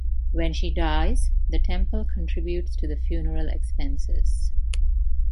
When she dies, the temple contributes to the funeral expenses.